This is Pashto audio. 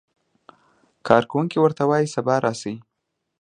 کارکوونکی ورته وایي سبا راشئ.